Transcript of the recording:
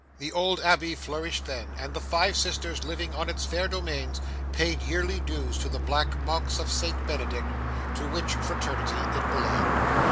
The old abbey flourished then; and the five sisters, living on its fair domains, paid yearly dues to the black monks of St Benedict, to which fraternity it belonged.